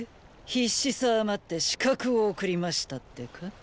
必死さあまって刺客送りましたってか。